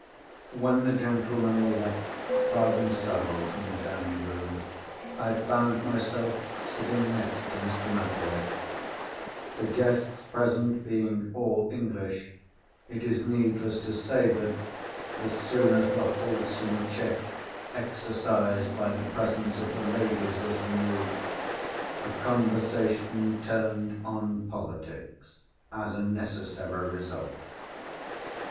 When the gentlemen were left by themselves in the dining room, I found myself sitting next to Mr. Murthwaite. The guests present being all English, it is needless to say that, as soon as the wholesome check exercised by the presence of the ladies was removed, the conversation turned on politics as a necessary result.